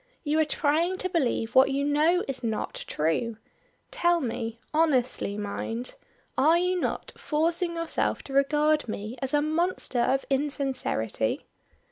You are trying to believe what you know is not true. Tell me honestly mind are you not forcing yourself to regard me as a monster of insincerity?"